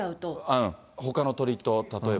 ほかの鳥と、例えば。